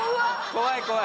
怖い怖い。